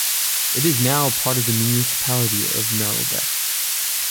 It is now part of the municipality of Merelbeke.